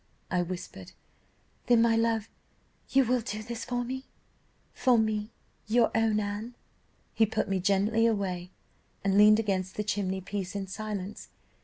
I whispered, 'Then, my love, you will do this for me for me, your own Anne?' "He put me gently away, and leaned against the chimney piece in silence.